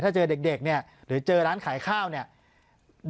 ถ้าเจอเด็กเนี่ยหรือเจอร้านขายข้าวเนี่ย